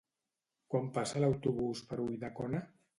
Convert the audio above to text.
Quan passa l'autobús per Ulldecona?